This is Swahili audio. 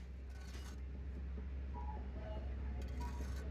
Hakika mtu huyu alikuwa Mwana wa Mungu